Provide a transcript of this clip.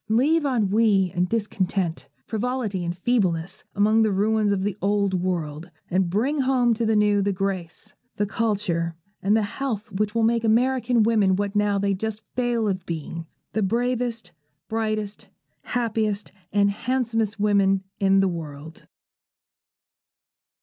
Leave ennui and discontent, frivolity and feebleness, among the ruins of the Old World, and bring home to the New the grace, the culture, and the health which will make American women what now they just fail of being, the bravest, brightest, happiest, and handsomest women in the world.